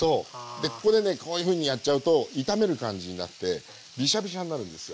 でここでねこういうふうにやっちゃうと炒める感じになってビシャビシャになるんですよ。